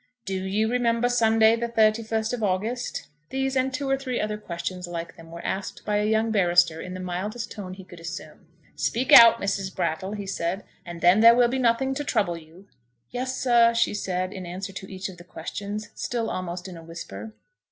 "Do you remember Sunday the thirty first of August?" These, and two or three other questions like them were asked by a young barrister in the mildest tone he could assume. "Speak out, Miss Brattle," he said, "and then there will be nothing to trouble you." "Yes, sir," she said, in answer to each of the questions, still almost in a whisper.